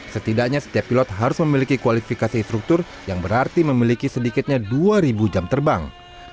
setidaknya setiap pilot harus memiliki kualifikasi struktur yang berarti memiliki sedikitnya dua jam terbang